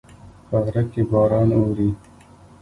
په غره کې باران اوري